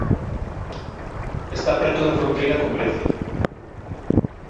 Está preto da fronteira con Grecia.